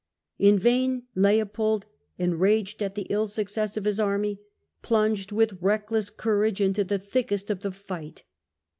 In vain Leopold, enraged at the ill success of his army, plunged with reckless courage into the thickest of the fight.